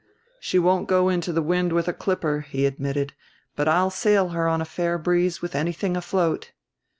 "She won't go into the wind with a clipper," he admitted; "but I'll sail her on a fair breeze with anything afloat."